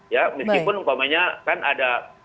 ya meskipun umpamanya kan ada